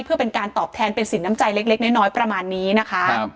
เพื่อเป็นการตอบแทนเป็นสินน้ำใจเล็กน้อยประมาณนี้นะคะ